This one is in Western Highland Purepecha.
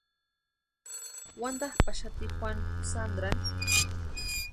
Wantapʼaxati Juanu Sandrani.